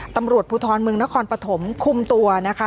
ตำรวจภูทรเมืองนครปฐมคุมตัวนะคะ